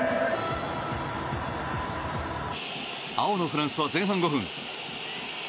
青のフランスは前半５分。